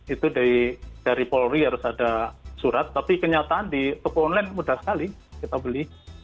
itu dari polri harus ada surat tapi kenyataan di toko online mudah sekali kita beli